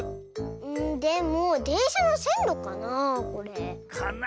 んでもでんしゃのせんろかなこれ？かな。